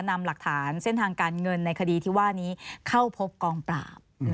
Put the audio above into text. นำหลักฐานเส้นทางการเงินในคดีที่ว่านี้เข้าพบกองปราบ